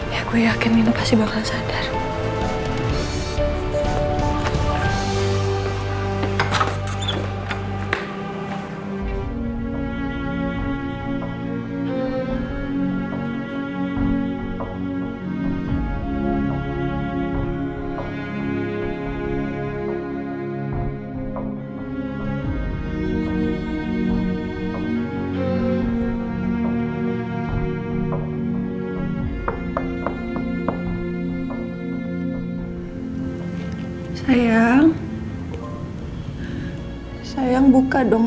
ya gue yakin nino pasti bakalan sadar